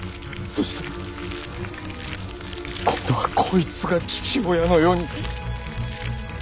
そして今度は「こいつ」が「父親」のように。